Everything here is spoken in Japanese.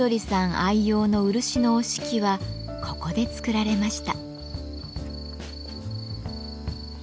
愛用の漆の折敷はここで作られました。